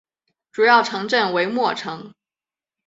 主要城镇为莫城。